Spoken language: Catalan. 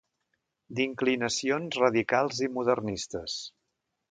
D'inclinacions radicals i modernistes.